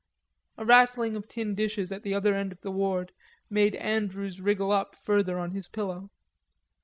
A rattling of tin dishes at the other end of the ward made Andrews wriggle up further on his pillow.